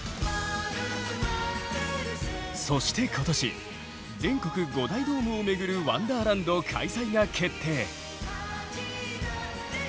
そして今年全国５大ドームを巡るワンダーランド開催が決定。